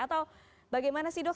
atau bagaimana sih dok